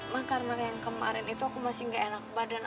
mah karena yang kemarin itu aku masih gak enak badan